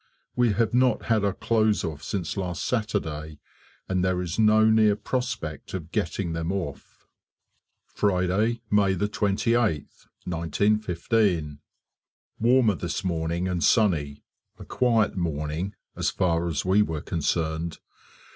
We have not had our clothes off since last Saturday, and there is no near prospect of getting them off. Friday, May 28th, 1915. Warmer this morning and sunny, a quiet morning, as far as we were concerned.